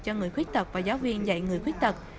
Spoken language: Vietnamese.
cho người khuyết tật và giáo viên dạy người khuyết tật